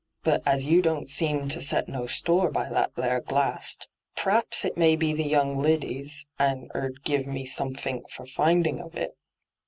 ' But as you don't seem to set no store by that there glast, p'raps it may be the young lidy's, and her'd giv* me soraethink for findin' of it.'